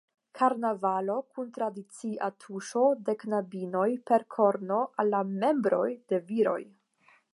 Karnavalo kun tradicia tuŝo de knabinoj per korno al la "membroj" de viroj.